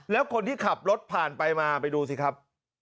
แล้วคนที่ขับรถผ่านไปมาไปดูสิครับ